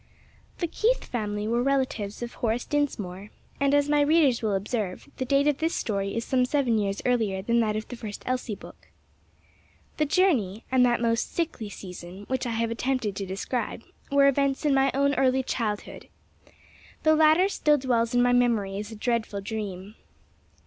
THE Keith family were relatives of Horace Dinsmore, and as my readers will observe, the date of this story is some seven years earlier than that of the first Elsie book. The journey, and that most sickly season, which I have attempted to describe, were events in my own early childhood. The latter still dwells in my memory as a dreadful dream.